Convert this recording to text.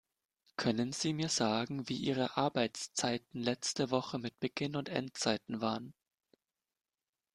Können Sie mir sagen, wie Ihre Arbeitszeiten letzte Woche mit Beginn und Endzeiten waren?